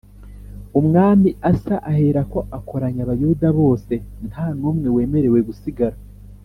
Umwami Asa aherako akoranya Abayuda bose nta n’umwe wemerewe gusigara